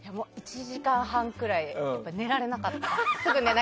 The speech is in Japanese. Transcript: １時間半くらい寝られなかった。